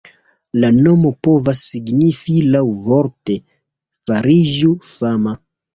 La nomo povas signifi laŭvorte "fariĝu fama".